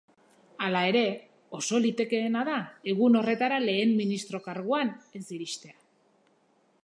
Hala ere, oso litekeena da egun horretara lehen ministro karguan ez iristea.